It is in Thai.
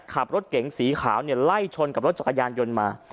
ขับรถเก๋งสีขาวเนี่ยไล่ชนกับรถจักรยานยนต์มา